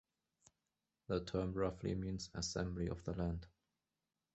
The term roughly means "assembly of the land".